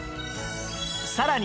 さらに